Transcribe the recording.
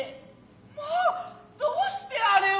まあ何うしてあれを。